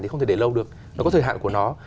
thì không thể để lâu được nó có thời hạn của nó